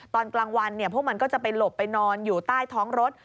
ตอนกลางวันพวกมันก็จะไปหลบไปนอนอยู่ใต้ท้องรถ